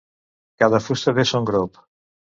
Cada fusta té son grop.